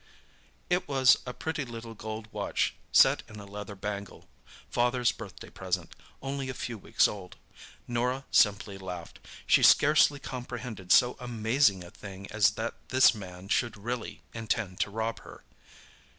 It was a pretty little gold watch set in a leather bangle—father's birthday present, only a few weeks old. Norah simply laughed—she scarcely comprehended so amazing a thing as that this man should really intend to rob her.